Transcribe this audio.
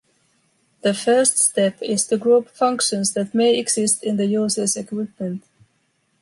The first step is to group functions that may exist in the user’s equipment.